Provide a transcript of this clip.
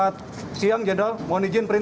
kasat intel forestama langkota jenderal